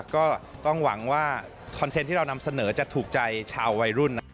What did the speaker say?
ก็ต้องหวังว่าคอนเทนต์ที่เรานำเสนอจะถูกใจชาววัยรุ่น